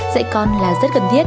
dạy con là rất cần thiết